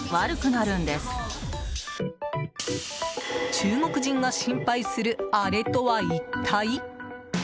中国人が心配するあれとは一体？